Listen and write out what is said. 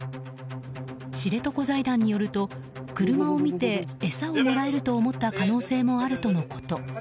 知床財団によると、車を見て餌をもらえると思った可能性もあるとのこと。